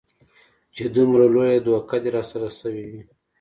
چې دومره لويه دوکه دې راسره سوې وي.